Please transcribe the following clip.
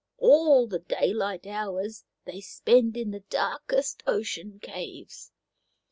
All the daylight hours they spend in the darkest ocean caves.